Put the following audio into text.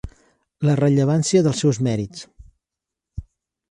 La rellevància dels seus mèrits.